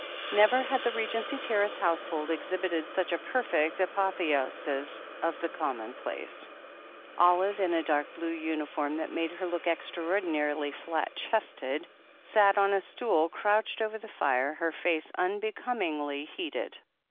Never had the Regency Terrace household exhibited such a perfect apotheosis of the commonplace. Olive, in a dark blue uniform that made her look extraordinarily flat chested, sat on a stool crouched over the fire, her face unbecomingly heated.